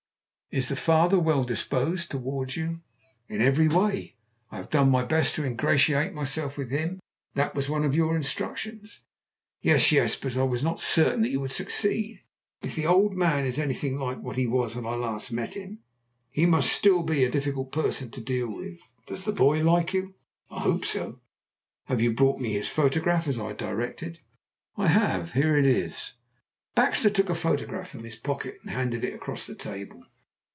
"Is the father well disposed towards you?" "In every way. I have done my best to ingratiate myself with him. That was one of your instructions." "Yes, yes! But I was not certain that you would succeed. If the old man is anything like what he was when I last met him he must still be a difficult person to deal with. Does the boy like you?" "I hope so." "Have you brought me his photograph as I directed?" "I have. Here it is." Baxter took a photograph from his pocket and handed it across the table.